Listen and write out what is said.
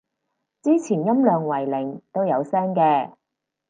之前音量為零都有聲嘅